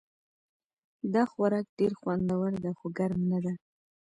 دا خوراک ډېر خوندور ده خو ګرم نه ده